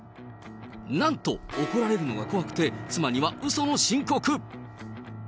なんと、怒られるのが怖くて妻にはうその申告。